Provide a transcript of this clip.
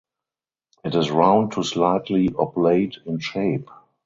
It is round to slightly oblate in shape.